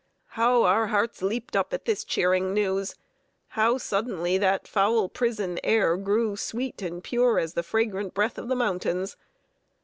How our hearts leaped up at this cheering news! How suddenly that foul prison air grew sweet and pure as the fragrant breath of the mountains!